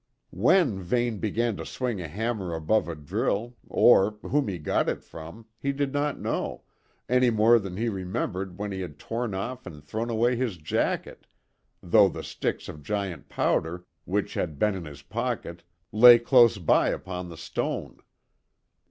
When Vane began to swing a hammer above a drill, or whom he got it from, he did not know, any more than he remembered when he had torn off and thrown away his jacket, though the sticks of giant powder, which had been in his pocket, lay close by upon the stone.